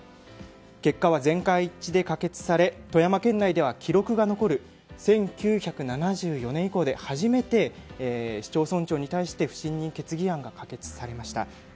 結果は全会一致で可決され富山県内では記録が残る１９７４年以降で初めて市町村長に対して不信任決議案が可決されました。